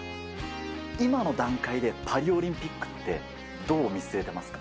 今の段階で、パリオリンピックって、どう見据えてますか？